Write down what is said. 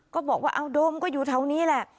ก็บอกว่าเอาโดมก็อยู่แถวนี้แหละ